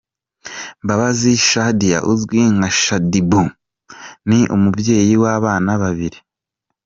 Mbabazi Shadia uzwi nka Shaddy Boo ni umubyeyi w’abana babiri.